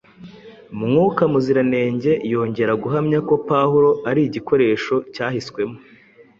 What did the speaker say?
Mwuka Muziranenge yongeye guhamya ko Pawulo ari igikoresho cyahiswemo